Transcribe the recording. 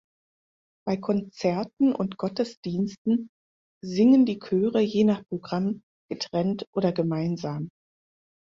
Bei Konzerten und Gottesdiensten singen die Chöre je nach Programm getrennt oder gemeinsam.